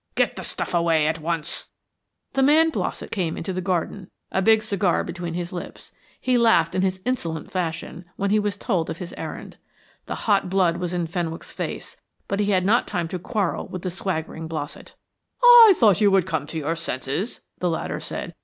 Get the stuff away at once." The man Blossett came into the garden, a big cigar between his lips. He laughed in his insolent fashion when he was told of his errand. The hot blood was in Fenwick's face, but he had not time to quarrel with the swaggering Blossett. "I thought you would come to your senses," the latter said.